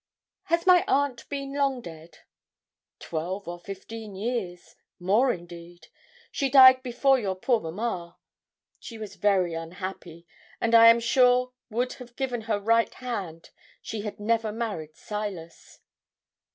'Has my aunt been long dead?' 'Twelve or fifteen years more, indeed she died before your poor mamma. She was very unhappy, and I am sure would have given her right hand she had never married Silas.'